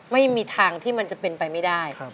ไม่มีทางที่มันจะเป็นไปไม่ได้